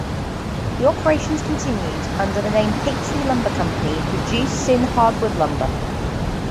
The operations continued, under the name Pakesley Lumber Company, producing hardwood lumber.